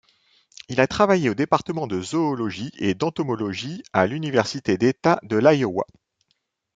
Il a travaillé au département de Zoologie et d'Entomologie, à l'Université d'État de l'Iowa.